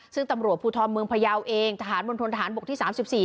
ซึ่งตำรวจภูทธอมเมืองพยาวเองทหารบนทนทหารบกที่สามสิบสี่